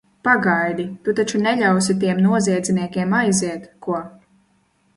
Pagaidi, tu taču neļausi tiem noziedzniekiem aiziet, ko?